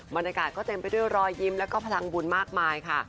บรรยากาศก็เต็มไปด้วยรอยยิ้มแล้วก็พลังบุญมากมายค่ะ